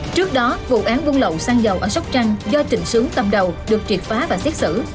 trước đó vụ án buôn lậu xăng dầu ở sóc trăng do trịnh sướng cầm đầu được triệt phá và xét xử